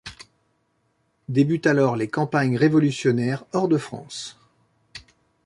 Débutent alors les campagnes révolutionnaires hors de France.